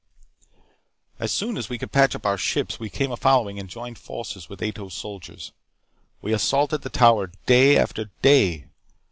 "As soon as we could patch up our ships, we came a following and joined forces with Ato's soldiers. We assaulted the Tower day after day.